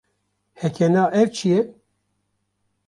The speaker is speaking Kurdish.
Heke na, ev çi ye?